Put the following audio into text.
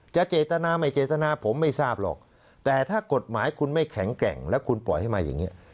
เจตนาไม่เจตนาผมไม่ทราบหรอกแต่ถ้ากฎหมายคุณไม่แข็งแกร่งแล้วคุณปล่อยให้มาอย่างนี้